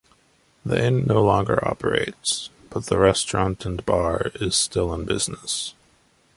The inn no longer operates, but the restaurant and bar is still in business.